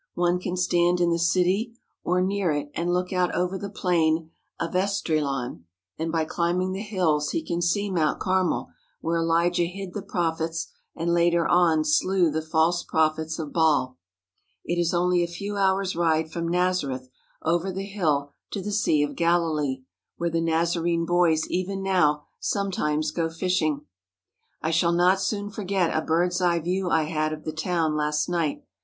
One can stand in the city or near it and look out over the plain of Esdraelon, and by climbing the hills he can see Mount Carmel, where Elijah hid the prophets and later on slew the false prophets of Baal. It is only a few hours' ride from Nazareth over the hill to the Sea of Galilee, where the Nazarene boys even now sometimes go fishing. I shall not soon forget a bird's eye view I had of the town last night.